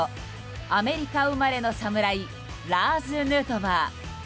アメリカ生まれの侍ラーズ・ヌートバー。